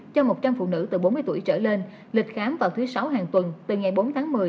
cho một trăm linh phụ nữ từ bốn mươi tuổi trở lên lịch khám vào thứ sáu hàng tuần từ ngày bốn tháng một mươi